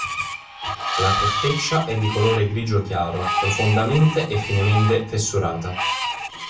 La corteccia è di colore grigio chiaro, profondamente e finemente fessurata.